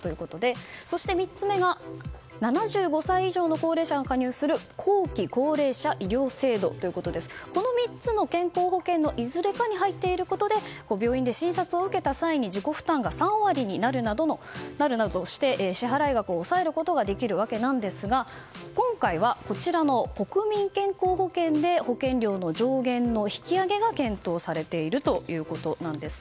そして３つ目が７５歳以上の高齢者が加入する後期高齢者医療制度ということでこの３つの健康保険のいずれかに入っていることで病院で診察を受けた際に自己負担が３割になるなどして支払額を抑えることができるわけなんですが今回はこちらの国民健康保険で保険料の上限の引き上げが検討されているということです。